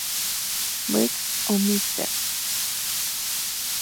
Briggs o Mr.